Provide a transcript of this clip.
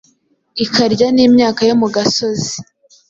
ikarya n’imyaka yo mugasozi